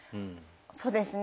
そうですね。